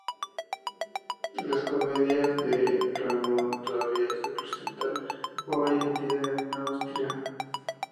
Las comedias de Raimund todavía se representan hoy en día en Austria.